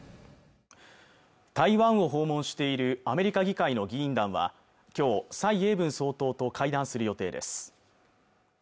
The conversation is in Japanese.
台湾を訪問しているアメリカ議会の議員団は今日、蔡英文総統と会談する予定です